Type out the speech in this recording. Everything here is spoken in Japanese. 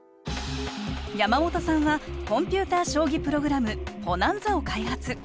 山本さんはコンピューター将棋プログラムＰｏｎａｎｚａを開発。